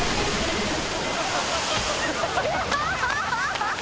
ハハハハ！